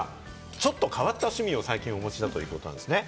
ちょっと変わった趣味を最近お持ちだということですね。